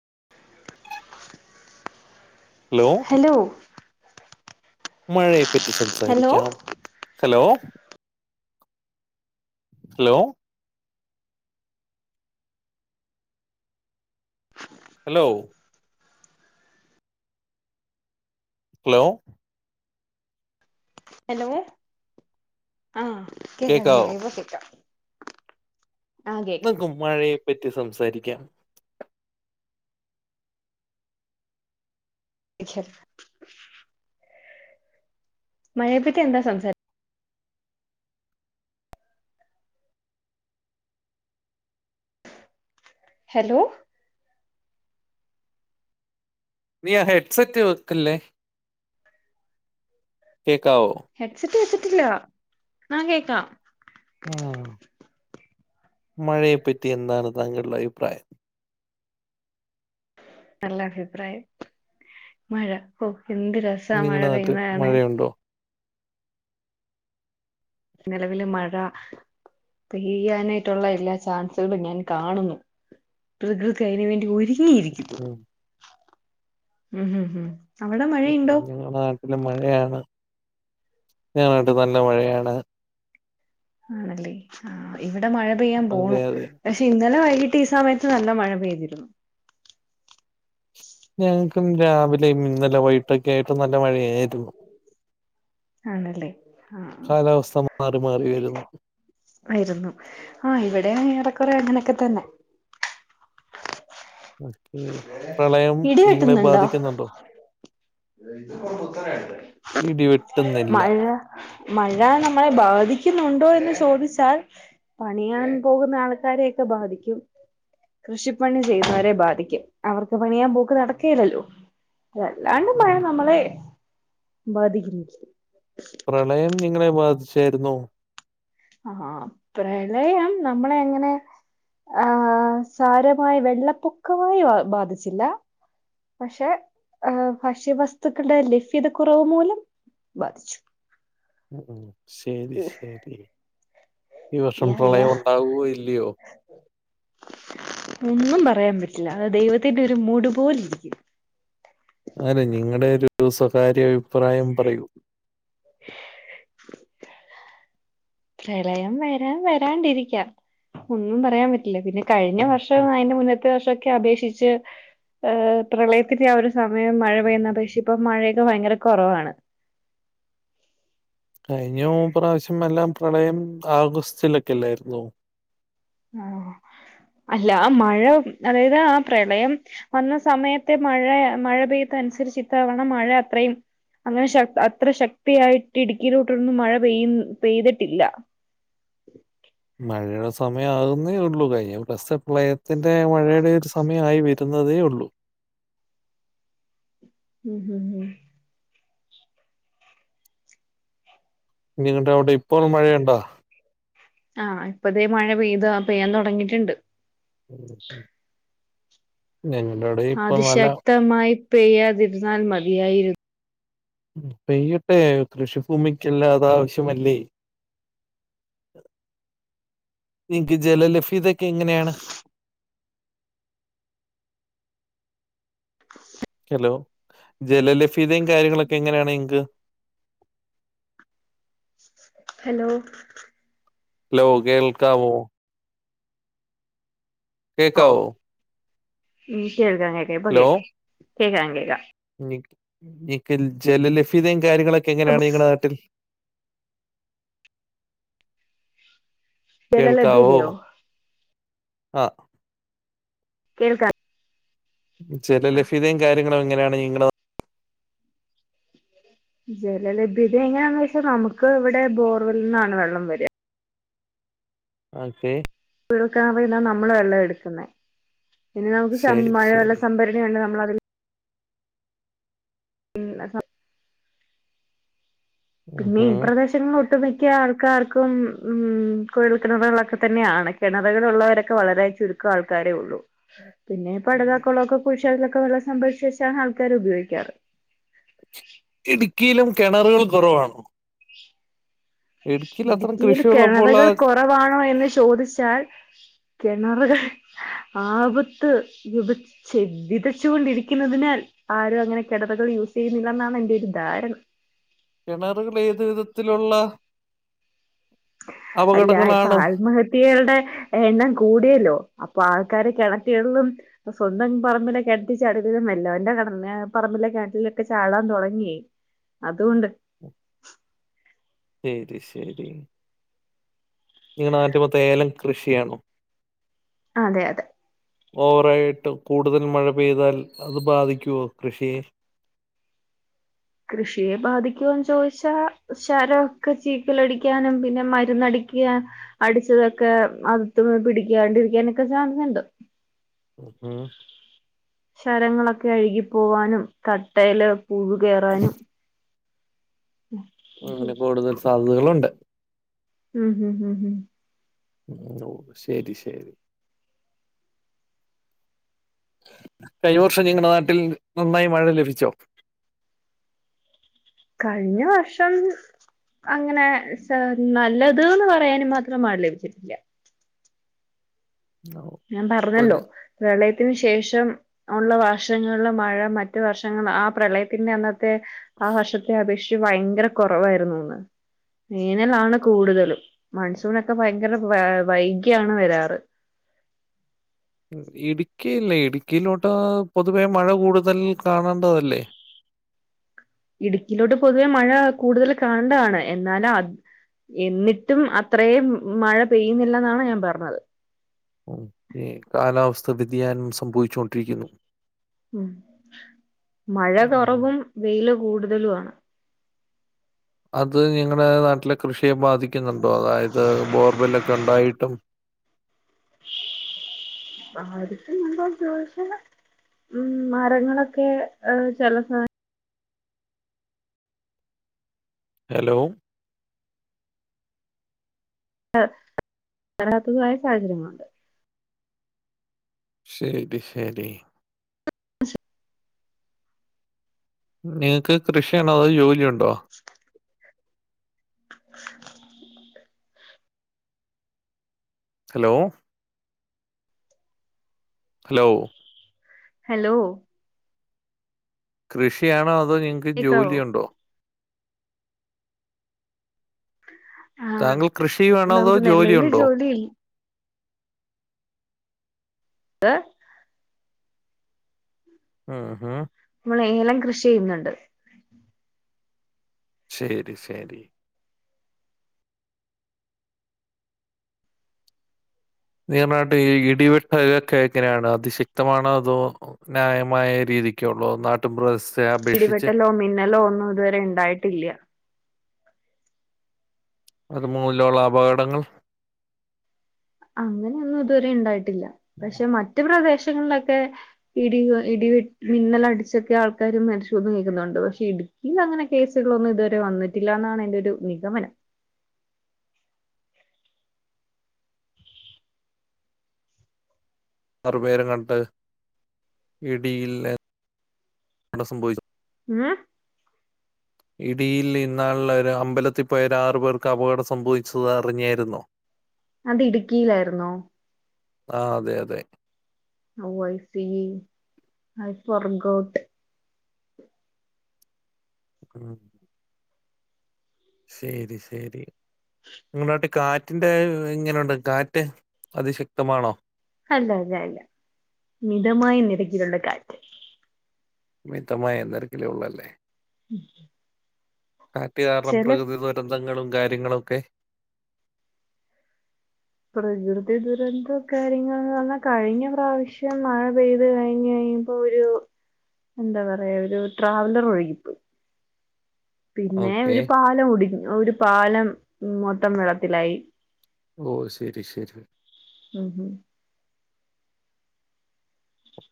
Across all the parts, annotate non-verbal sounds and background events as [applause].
[unintelligible] Hello മഴയെപ്പറ്റി hello സംസാരിക്കാം hello hello hello hello hello ആഹ കേക്കാം കേക്കാവോ ദീപ കേക്കാം നക്കും മഴയെ പറ്റി സംസാരിക്കാം ക്ഷ [unintelligible] മഴയെപ്പറ്റി എന്താ സംസാരിരിക്ക ഹലോ നീ ഹെഡ്സെറ്റ് വെക്കല്ലേ കേക്കാവോ ില്ല നാ കേക്കാം ആഹ മഴയെപ്പറ്റി എന്താണ് താങ്കളുടെ അഭിപ്രായം നല്ല അഭിപ്രായം മഴ എന്ത് രസമാണ് മഴ നിങ്ങളുടെ നാട്ടിൽ പെയ്യുന്നതണൻ മഴയുണ്ടോ നിലവില് മഴ െയ്യാനായിട്ടുള്ള എല്ലാ ചാൻസുകളും ഞാൻ കാണുന്നു പ്രകൃതി അതിനന് വേണ്ടി ഒരിക്കലും ഇീ ഇരിക്കട്ട ഉം ഉം ഹ ഹും ഞങ്ങളടെ നാട്ടില് മഴയാണ് ഞാനായിട്ട് നല്ല മഴയാണ് ആണല്ലേ ആ ഇവിടെ മഴ പെയ്യാൻ അതെ പോണു അതെ പക്ഷെ ഇന്നലെ ആ വിട്ട് ഈ സമയത്ത് നല്ല മഴ പെയ്തിരുന്നു ഞങ്ങൾക്കും രാവിലെയും ഇന്നലെ വകട്ടൊക്കെ ആയിട്ടും നല്ല മഴയായിരുന്നു ആണല്ലേ ആഹ് കാലാവസ്ഥ മാറി മാറി വരുന്നു ആയിരുന്നു ആഹ ഇവിടെ ഏറെക്കറെ അങ്ങനെയൊക്കെ തന്നെ ഓക്കെ പ്രളയം ഇടി നിങ്ങളെ വെട്ടുന്നുണ്ടോ ബാധിക്കുന്നുണ്ടോ ഇടിവെട്ടുന്നില്ല മഴ മഴെ നമ്മളെ ബാധിക്കുന്നുണ്ടോ എന്ന് ചോദിച്ചാൽ പണിയാൻ പോകുന്ന ആൾക്കാരെയൊക്കെ ബാധിക്കും കൃഷിപ്പണി ചെയ്യുന്നവരെ ബാധിക്കും അവർക്ക് പണിയാൻ പോക്ക് നടക്കല്ലല്ലോ അതല്ല ഉം. നമ്മളെ ബാധിക്കുന്നു പ്രളയം നിങ്ങളെ ബാധിച്ചായിുന്ന ആഹ പ്രളയം നമ്മള എങ്ങനെ ആ സാരമായി വെള്ളപ്പൊക്കമായി ബാധിച്ചില്ല പക്ഷെ ഭക്ഷ്യവസ്തുക്കളുടെ ലഭ്യത കുുറവ് മൂലം ബാധിച്ചു ഉം ശരി ശരി ഈ വർഷം യാ യാ പ്രളയം ഉണ്ടാവുവോ ഇല്ലയോ ഒന്നും പറയാൻ പറ്റില്ല അ ദൈവത്തിന്റെ ഒരു മൂട് പോലിരിക്കും അല്ലെ നിങ്ങളുടെ ഒരു സ്വകാര്യ അഭിപ്രായം പറയൂ പ്രളയം വരാൻ വരാണ്ടിരിക്ക ഒന്നും പറയാൻ പറ്റില്ല പിന്നെ കഴിഞ്ഞ ഉം, ഉം. വർഷം അതിന്റെ മുന്നത്തെ വർശൊക്കെ അപേക്ഷിച്ച് ഹ് പ്രളയത്തിന്റെ ആ ഒരു സമയം മഴ പെയ്യുന്ന പക്ഷെ ഇപ്പൊ മഴയൊക്കെ ഭയങ്കര കുറവാണ് കഴിഞ്ഞ ഓർ പ്രാവശ്യം എല്ലാം പ്രളയം ആഗസ്റ്റിലൊക്കെല്ലായിരുന്നോ ആഹ് അല്ല മഴ അതായത് ആ പ്രളയം വന്ന സമയത്തെ മഴയ മഴ പെയ്ത- അനുസരിച്ചിട്ടാവണം മഴ അത്രയും അങ്ങനെ ശക് അത്ര ശക്തിയായിട്ട് ഇടുക്കിയിലോട്ടൊന്നും മഴ പെയ് പെയ്തിട്ടില്ല മഴയുടെ സമയ ആകുന്നേ ഉള്ളു കഴിഞ്ഞ [unintelligible] പ്രളയം ത്തിന്റെ ആ മഴയുടെ ഒരു സമയായി വരുന്നതേ ഉള്ളൂ ഉം ഇനി ഇങ്ങട്ട അവിട്ട ഇപ്പൊ മഴയുണ്ടാ ആ ഇപ്പതേ മഴ പെയ്ത് ആ പെയ്യാൻ തുടങ്ങീട്ടുണ്ട് ഉം ഉം ഞങ്ങളുടെ അവിടെ ഇപ്പോൾ നല്ല അതിശക്തമായി പെയ്യാതിരുന്നാൽ മതിയായിരുന്നു പെയ്യട്ടെ കൃഷിഭൂമിക്കെല്ലാ അതാവശ്യമല്ലേ നിക്ക് ജലലഭ്യതൊക്കെ എങ്ങനെയാണ് ഹലോ ജലലഭ്യതയും കാര്യങ്ങളൊക്കെ എങ്ങനെയാണ് ഇങ്ങ്ക് ഹലോ ഹലോ കേൾക്കാവോ ഓ കേക്കാവോ ഉം കേൾക്കാം കേക്കാം ഇപ്പൊ ഹലോ കേക്കാം കേൾക്കാം കേക്കാം എക്കൽ ജലഭ്യതയും കാര്യങ്ങളൊക്കെ എങ്ങനെയാണ് നിങ്ങടെ നാട്ടിൽ കേൾക്കാവോ ജലലഭ്യതയോ ആ കേൾക്കാം ആ ജലലഭ്യതയും കാര്യങ്ങളും എങ്ങനെയാണ് നിങ്ങളെ നാ ജലലഭ്യത എങ്ങനെയാന്ന് വെച്ചാ നമുക്ക് ഇവിടെ ബോർവൽ നിന്നാണ് വെള്ളം വരാ ഓക്കേ കുഴൽകിണറിന്നാ നമ്മള് വെള്ളം എടുക്കുന്നേ പിന്നെ നമുക്ക് സം ശരി മഴവെള്ള ശരി സംഭരണിയുണ്ട് നമ്മളതിൽ- ഉം അ ഉം പിന്നെ ഈ ഹും പ്രദേശങ്ങളൊട്ടും ഒട്ടു മിക്ക ആൾക്കാർക്കും ഉം കുഴൽ കിണറുകളൊക്കെ തന്നെയാണ് കിണറുകളുള്ളവരൊക്കെ വളരേ ചുരുക്ക ആൾക്കാരേ ഒള്ളൂ പിന്നെ പടലാകൊളൊക്കെ കുഴിച്ചതിലൊക്കെ വെള്ളം സംഭവച്ച് വെച്ചാണ് ആൾക്കാര് ഉപയോഗിക്കാറ് ഇടുക്കിയിലും കിണറുകൾ കുറവാണോ അത്ര ഇടുക്കിയിൽ കൃഷിയുള്ളപ്പോൾ കിണറുകൾ ആ കുറവാണോ എന്ന് ചോദിച്ചാൽ കെണറുകൾ ആപത്ത് വിതച്ച് വിതച്ചുകൊണ്ടിരിക്കുന്നതിനാൽ ആരും അങ്ങനെ കെണറുകൾ- ഇപ്പ യൂസ് ചെയ്യുന്നില്ല എന്നാണ് എന്റെ ഒരു ധാരണ കിണറുകൾ ഏതു വിധത്തിലുള്ള അല്ല ഇപ്പൊ അപകടങ്ങളാണ് ആത്മഹത്യകളുടെ എണ്ണം കൂടിയല്ലോ അപ്പൊ ആൾക്കാര് കിണറ്റികള്ളും സ്വന്തം പറമ്പിലെ കെണറ്റി ചാടുന്നതിലും വല്ലോന്റെ കെ പറമ്പിലെ കെണറ്റിലൊക്കെ ചാടാൻ തുടങ്ങി അതുകൊണ്ട് ശരി ശരി നിങ്ങട നാട്ടീ മൊത്തം ഏലം കൃഷിയാണോ അതെയതെ ഓവറായിട്ട് കൂടുതൽ മഴ പെയ്താൽ അത് ബാധിക്കുവോ കൃഷിയെ കൃഷിയെ ബാധിക്കുവോന്ന് ചോയിച്ചാ ശരൊക്കെ ചീക്കലടിക്ക്യാനും പിന്നെ മരുന്നടിക് ക്ക്യാൻ അടിച്ചതൊക്കെ അകത്ത് പിടിക്കാണ്ടിരിക്കാനൊക്കെ ചാൻസ്ണ്ട് ഉം ചരങ്ങളൊക്കെ അഴുകിപ്പോവാനും തട്ടയില് പുഴു കേറാനും അങ്ങനെ കൂടുതൽ സാധ്യതകളുണ്ട് ഉം ഉം ഉം ഉം ഓ ശരി ശരി കഴിഞ്ഞ വർഷം നിങ്ങടെ നാട്ടിൽ നന്നായി മഴ ലഭിച്ചോ [inaudible] കഴിഞ്ഞ വർഷം അങ്ങനെ സാ നല്ലത് ന്ന് പറയാനും മാത്രം മഴ ലഭിച്ചിട്ടില്ല ഓ, ഞാൻ പറഞ്ഞല്ലോ പിന്നെ പ്രളയത് ത്തിന് ശേഷം ഒള്ള വർഷങ്ങള്ള് മഴ മറ്റു വർഷങ്ങൾ ആ പ്രളയത്തിന്റെ അന്നത്ത് ത്തെ ആ വർഷത്തെ അപേക്ഷിച്ച് ഭയങ്കര കൊറവായിരുന്നൂന്ന് വേനലാണ് കൂടുതലും മൺസൂണൊക്കെ ഭയങ്കര വാ വൈകിയാണ് വരാറ് [inaudible] ഇടുക്കിയല്ലേ ഇടുക്കീലോട്ടാ പൊതുവേ മഴ കൂടുതൽ കാണണ്ടതല്ലേ ഇടുക്കീലോട്ട് പൊതുവേ മഴാ കൂടുതൽ കാണണ്ടതാണ് എന്നാലാത് എന്നിട്ടും അത്രേം മഴ പെയ്യുന്നില്ലന്നാണ് ഞാൻ പറഞ്ഞത് ഏ കാലാവസ്ഥ വ്യതിയാനം സംഭവിച്ചു കൊണ്ടിരിക്കുന്നു ഉം മഴ ഉം. കൊറവും വെയില് കൂടുതലുവാണ് അത് നിങ്ങടെ നാട്ടിലെ കൃഷി യെ ബാധിക്കുന്നുണ്ടോ അതായത് ബോർവെല്ലൊക്കെ ഒണ്ടായിട്ടും ബാധിക്കുന്നുണ്ടോ ചോയിച്ചാ ഉം മരങ്ങളൊക്കെ അ് ചെല സായ് ഹലോ അ് വരാത്തതുവായ സാഹചര്യങ്ങളൊണ്ട് ശരി ശരി നിങ്ങക്ക് കൃഷിയാണോ അതോ ജോലിയൊണ്ടോ [inaudible] ഹലോ ഹലോ ഹലോ കൃഷിയാണോ അതോ നിങ്ങ്ക്ക് കേക്കാവോ ജോലിയൊണ്ടോ ആഹ് താങ്കൾ കൃഷി ചെയ്യുവാണോ അതോ നമുക്ക് നെല്ലവില് ജോലിയൊണ്ടോ ജോലി ന്ത് ആഹാ നമ്മൾ ഏലം കൃഷി ചെയ്യുന്നുണ്ട് ശരി ശരി നിങ്ങട നാട്ടീ ഇടിവെട്ടക്കേങ്ങനെയാണ് അതിശെക്തമാണോ അതോ ന്യായമായ രീ ഇരിക്ക്യോള്ളോ നാട്ടുമ്പ്രസ് ഇടിവെട്ടലോ മിന്നലോ ഒന്നും ഇതുവരെ ഇണ്ടായിട്ടില്ല്യ അത് മൂലവൊള്ള അപകടങ്ങൾ അങ്ങനെയൊന്നും ഇതുവരെ ഇണ്ടായിട്ടില്ല പക്ഷെ മറ്റ് പ്രദേശ ങ്ങളിലൊക്കെ ഇടി കൊ ഇടിവെട്ട് മിന്നലടിച്ചൊക്കെ ആൾക്കാര് മരിച്ചൂന്ന് കേക്കുന്നൊണ്ട് പക്ഷെ ഇടുക്ക് ഇത് അങ്ങനെ കേസുകളൊന്നും ഇതുവരെ വന്നിട്ടില്ലന്നാണ് എന്റെ ഒരു നിഗമനം അ ആറുപേര കട്ട് ഇടിയി ൽ സംഭവിച്ചു ഏ ഇടിയിൽ ഇന്നാൾ ഒരു അമ്പലത്തിൽ പോയര് ആറു പേർക്ക് അപകടം സംഭവിച്ചത് അറിഞ്ഞായിരുന്നു അത് ഇടുക്കിയിലായിുന്നോ ആഹ അതെ അതെ വൈ സപ്പ വർക്ക്ഔട്ട് ആഹ ശരി ശരി നിങ്ങളാട്ട് കാറ്റ് കാറ്റിന്റെ ഇങ്ങനെയുണ്ട് കാറ്റ് അതിശക്തമാണോ അല്ല അല്ല അല്ല മിതമായ നിരക്കിലുള്ള കാറ്റ് മിതമായ നി രക്കിലേ ഉള്ളല്ലേ ഉം കാറ്റ് കാരണം പ്രകൃതി ദുരന്തങ്ങളും കാര്യങ്ങളൊക്കെ പ്രകൃതി ദുരന്തം കാര്യങ്ങന്ന് പറഞ്ഞാൽ കഴിഞ്ഞ പ്രാവശ്യം മഴ പെയ് കഴിഞ്ഞ് കഴിഞ്ഞ ഒരു എന്താ പറയാ ഒരു ട്രാവലർ ഒഴുകിപ്പ് പിന്നെ ഓക്കെ ഒരു പാലം കുടി ഒരു പാലം മൊത്തം വെള്ളത്തിലായി ഓ ശരി ശരി ഉം ഉം.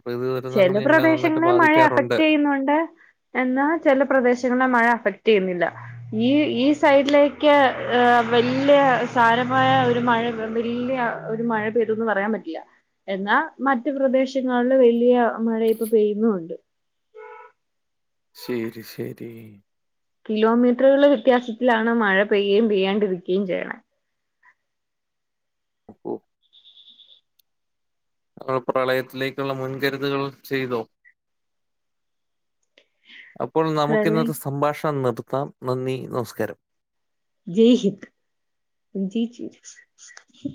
പ്രകൃതി ദുരന്തങ്ങൾ ചെില ഞങ്ങളെ നന്നായിട്ട് പ്രദേശങ്ങളിൽ മഴ ബാധിക്കാറുണ്ട് അഫക്റ്റ് ചെയ്യുന്നുണ്ട് എന്നാൽ ചില പ്രദേശങ്ങളെ മഴ അഫക് ുന്നില്ല ഈ ഈ സൈഡിലേക്ക് വലിയ സാരമായ ഒരു മഴ വല്യ ഒരു മഴ പെയ്തന്ന് പറയാൻ പറ്റില്ല എന്നാൽ മറ്റ പ്രദേശങ്ങളില് വ വലിയ മഴ ഇപ്പൊ പെയ്യുന്നുണ്ട് ശരി ശരി കിലോമീറ്ററുകളുടെ വ്യത്യാസത്തിലാണ് മഴ പെയ്യുകയും പെയ്യാണ്ടിരിക്കുകയും ചെയ്യണ അപ്പോോ നൾ പ്രളയത്തിലേക്കുള്ള മുൻകരുതുകൾ ചെയ്തോ അപ്പോള് പ്രളയ നമുക്കിന്നത്തെ സംഭാഷണം നിര്ത്താം നന്ദി നമസ്കാരം ജയ് ഹിന്ദ് ജയ് ജി